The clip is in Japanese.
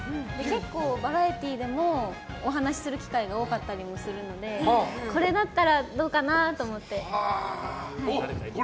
結構バラエティーでもお話しする機会が多かったりもするのでこれだったらどうかなと思って。